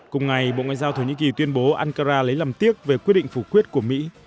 cùng ngày bộ ngoại giao thổ nhĩ kỳ tuyên bố ankara lấy làm tiếc về quyết định phủ quyết của mỹ